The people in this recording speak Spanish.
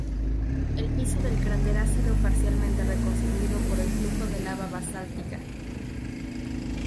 El piso del cráter ha sido parcialmente reconstituido por el flujo de lava basáltica.